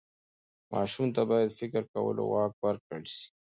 ماشوم ته باید د فکر کولو واک ورکړل سي.